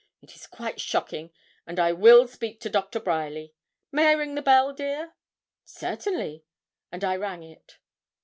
It is quite shocking, and I will speak to Doctor Bryerly. May I ring the bell, dear?' 'Certainly;' and I rang it.